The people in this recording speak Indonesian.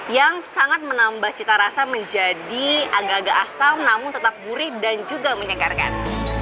yang sangat menambah cita rasa menjadi agak agak asam namun tetap gurih dan juga menyegarkan